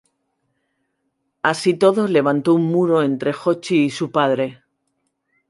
Así todo, levantó un muro entre Jochi y su padre.